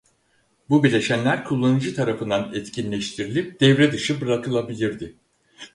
Bu bileşenler kullanıcı tarafından etkinleştirilip devre dışı bırakılabilirdi.